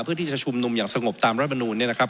เพื่อที่จะชุมนุมอย่างสงบตามรัฐมนูลเนี่ยนะครับ